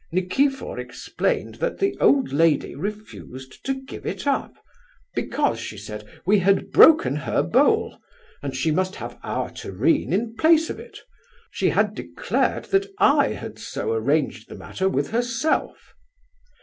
Nikifor explained that the old lady refused to give it up, because, she said, we had broken her bowl, and she must have our tureen in place of it; she had declared that I had so arranged the matter with herself.